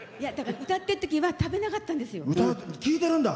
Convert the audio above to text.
歌ってるときは食べなかったんですよ。